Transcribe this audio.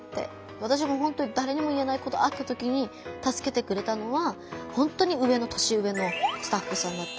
私もほんとにだれにも言えないことあった時にたすけてくれたのはほんとに年上のスタッフさんだったし。